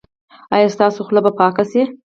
ایا ستاسو خوله به پاکه شي؟